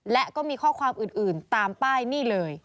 และก็มีข้อความอื่นตามป้ายนี่เลย